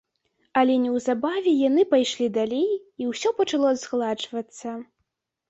Але неўзабаве яны пайшлі далей, і ўсё пачало згладжвацца.